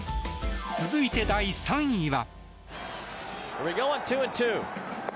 続いて、第３位は。